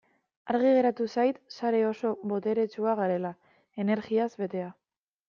Argi geratu zait sare oso boteretsua garela, energiaz betea.